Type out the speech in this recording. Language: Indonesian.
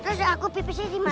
terus aku pipisnya dimana